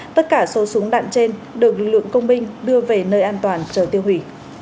tất cả số súng đạn trên được lực lượng công binh đưa về nơi an toàn chờ tiêu hủy